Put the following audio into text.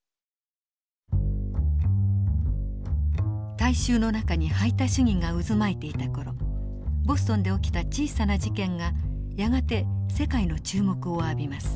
大衆の中に排他主義が渦巻いていた頃ボストンで起きた小さな事件がやがて世界の注目を浴びます。